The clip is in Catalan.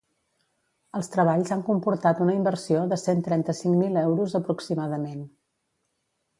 Els treballs han comportat una inversió de cent trenta-cinc mil euros aproximadament.